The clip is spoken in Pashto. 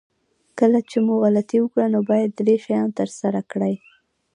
کله چې مو غلطي وکړه نو باید درې شیان ترسره کړئ.